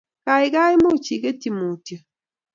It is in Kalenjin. Gaigai, much igetyi Mutyo?